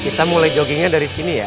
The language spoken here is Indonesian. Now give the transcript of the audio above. kita mulai joggingnya dari sini ya